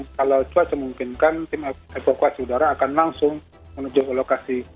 kalau cuaca memungkinkan tim evakuasi udara akan langsung menuju lokasi